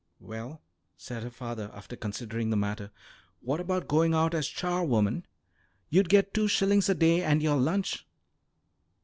"Well," said her father, after considering the matter, "what about going out as charwoman? You'd get two shillings a day and your lunch."